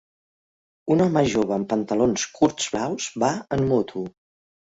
Un home jove amb pantalons curts blaus va en moto.